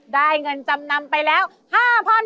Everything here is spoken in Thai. ได้เงินจำนำไปแล้ว๕๐๐๐บาท